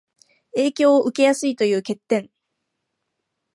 影響を受けやすいという欠点